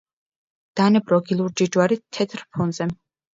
დანებროგი ლურჯი ჯვარით თეთრ ფონზე.